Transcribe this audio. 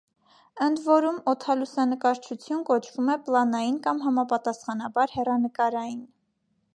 Ընդ որում, օդալուսանկարչություն կոչվում է պլանային կամ համապատասխանաբար հեռանկարային։